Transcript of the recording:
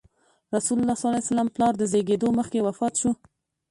رسول الله ﷺ پلار د زېږېدو مخکې وفات شو.